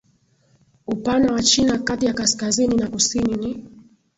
Upana wa China kati ya kaskazini na kusini ni